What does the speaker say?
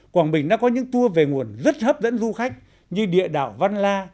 quảng bình đã có những tour về nguồn rất hấp dẫn du khách như địa đạo văn la